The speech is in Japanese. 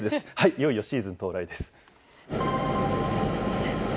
いよいよシーズン到来です。